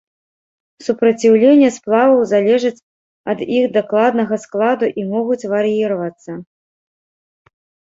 Супраціўленне сплаваў залежаць ад іх дакладнага складу і могуць вар'іравацца.